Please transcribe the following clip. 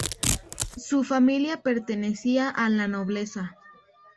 Su familia pertenecía a la nobleza.